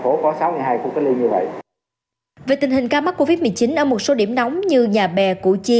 phố có sáu mươi hai khu cách ly như vậy về tình hình ca mắc covid một mươi chín ở một số điểm nóng như nhà bè củ chi